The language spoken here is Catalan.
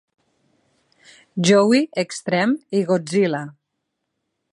Joe Extreme i Godzilla.